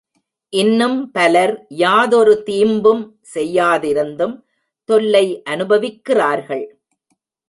இன்னும்பலர் யாதொரு தீம்பும் செய்யாதிருந்தும், தொல்லை அனுபவிக்கிறார்கள்.